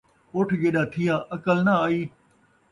اُٹھ جیݙا تھیا، عقل ناں آئی